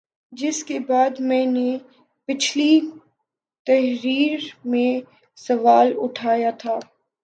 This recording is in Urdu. جس کے بعد میں نے پچھلی تحریر میں سوال اٹھایا تھا